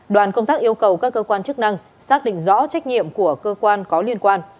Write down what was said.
đoàn công tác yêu cầu các cơ quan chức năng xác định rõ trách nhiệm của cơ quan có liên quan